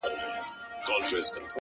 دغه ياغي خـلـگـو بــه منـلاى نـــه.!